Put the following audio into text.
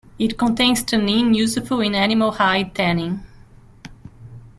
It contains tannin useful in animal hide tanning.